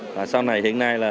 và sau này hiện nay là